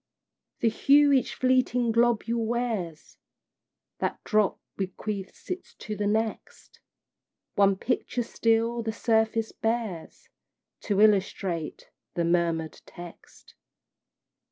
The hue each fleeting globule wears, That drop bequeaths it to the next, One picture still the surface bears, To illustrate the murmured text.